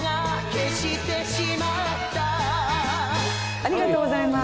ありがとうございます。